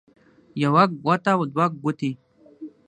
يوه ګوته او دوه ګوتې